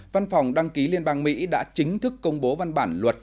văn phòng đăng ký liên bang mỹ đã chính thức công bố văn bản luật